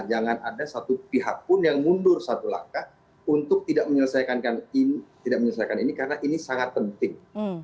jangan ada satu pihak pun yang mundur satu langkah untuk tidak menyelesaikan ini karena ini sangat penting